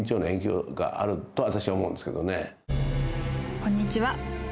こんにちは。